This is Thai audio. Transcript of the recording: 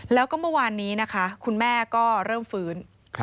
แล้วก็เมื่อวานนี้นะคะคุณแม่ก็เริ่มฟื้น